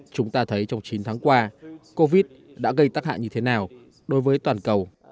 chúng ta thấy trong chín tháng qua covid đã gây tắc hạ như thế nào đối với toàn cầu